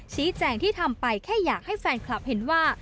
ชี้แจงที่ทำไปแค่อยากให้แฟนคลับเห็นว่า